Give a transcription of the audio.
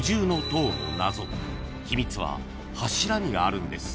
［秘密は柱にあるんです。